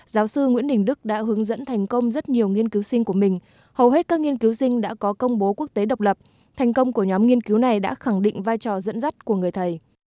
giáo sư nguyễn đình đức đã hướng dẫn thành công rất nhiều nghiên cứu sinh của mình hầu hết các nghiên cứu sinh đã có công bố quốc tế độc lập thành công của nhóm nghiên cứu này đã khẳng định vai trò dẫn dắt của người thầy